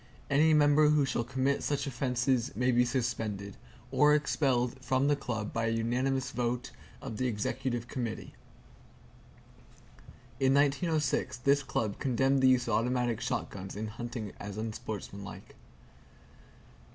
Any member who shall commit such offenses may be suspended, or expelled from the Club by unanimous vote of the Executive Committee." In 1906, this Club condemned the use of automatic shotguns in hunting as unsportsmanlike.